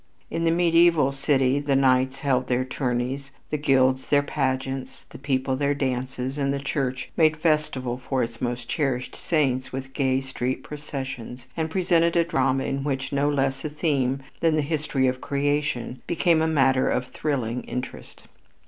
In the medieval city the knights held their tourneys, the guilds their pageants, the people their dances, and the church made festival for its most cherished saints with gay street processions, and presented a drama in which no less a theme than the history of creation became a matter of thrilling interest.